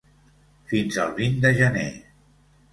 Fins al vint de gener.